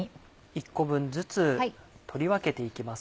１個分ずつ取り分けていきます。